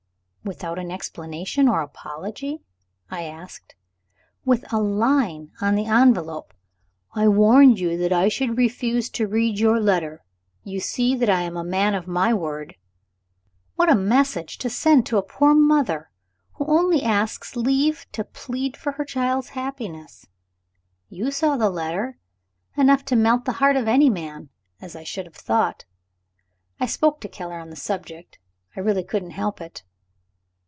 "Without explanation or apology?" I asked. "With a line on the envelope. 'I warned you that I should refuse to read your letter. You see that I am a man of my word.' What a message to send to a poor mother, who only asks leave to plead for her child's happiness! You saw the letter. Enough to melt the heart of any man, as I should have thought. I spoke to Keller on the subject; I really couldn't help it."